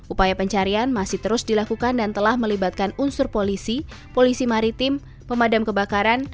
upaya pencarian masih terus dilakukan dan telah melibatkan unsur polisi polisi maritim pemadam kebakaran